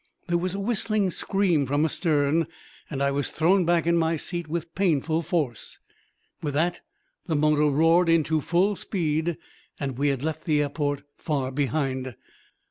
There was a whistling scream from astern and I was thrown back in my seat with painful force. With that, the motor roared into full speed and we had left the airport far behind.